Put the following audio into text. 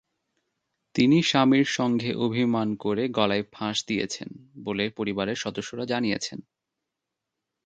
তিনি স্বামীর সঙ্গে অভিমান করে গলায় ফাঁস দিয়েছেন বলে পরিবারের সদস্যরা জানিয়েছেন।